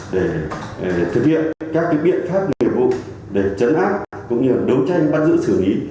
để thực hiện các cái biện pháp nhiệm vụ để chấn áp cũng như là đấu tranh bắt giữ xử lý